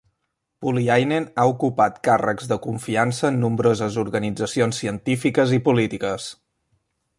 Pulliainen ha ocupat càrrecs de confiança en nombroses organitzacions científiques i polítiques.